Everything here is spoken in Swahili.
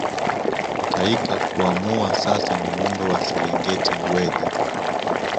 Kaika kuamua sasa muundo wa Serengeti uweje